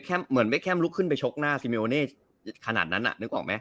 คือชกหน้าซีเบอร์เน่ขนาดนั้นน่ะนึกออกไหม